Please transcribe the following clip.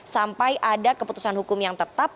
sampai ada keputusan hukum yang tetap